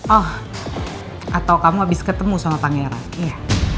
oh atau kamu abis ketemu sama pangeran iya